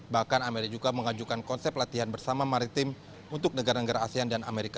bahkan amerika juga mengajukan konsep latihan bersama maritim untuk negara negara asean dan amerika